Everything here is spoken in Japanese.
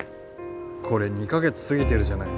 これ２か月過ぎてるじゃない。